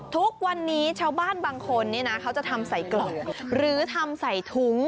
ทุกวันนี้ชาวบ้านบางคนเนี่ยนะเขาจะทำใส่กล่องหรือทำใส่ถุง